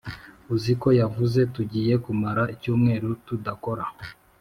uziko yavuze tugiye kumara icyumweru tudakora